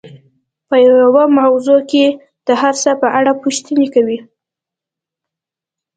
په يوه موضوع کې د هر څه په اړه پوښتنې کوي.